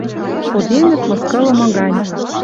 Коденӹт мыскылымы гань.